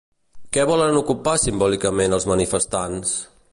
Què volen ocupar simbòlicament els manifestants?